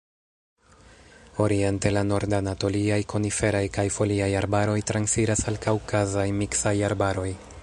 Oriente, la Nord-anatoliaj koniferaj kaj foliaj arbaroj transiras al Kaŭkazaj miksaj arbaroj.